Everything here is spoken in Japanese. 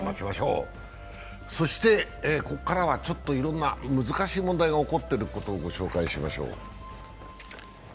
そしてここからはいろんな難しい問題が起こっていることをご紹介しましょう。